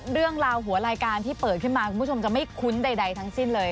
เรื่องราวหัวรายการที่เปิดขึ้นมาคุณผู้ชมจะไม่คุ้นใดทั้งสิ้นเลย